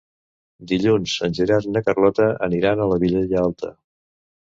Dilluns en Gerard i na Carlota aniran a la Vilella Alta.